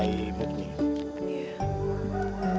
kamu berangkat bersama dia